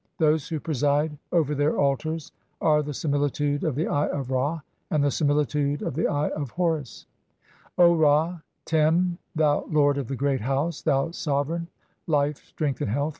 (38) Those who preside over their altars are the similitude of the Eye of Ra and the similitude of the Eye of Horus. "O Ra (3g) Tem, thou lord of the Great House, 1 thou Sove reign (Life, Strength and Health!)